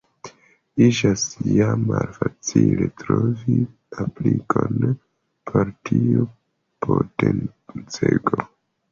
Iĝas ja malfacile trovi aplikon por tiu potencego.